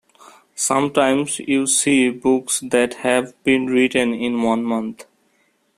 Sometimes you see books that have been written in one month.